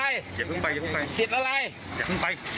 อ่าเดี๋ยว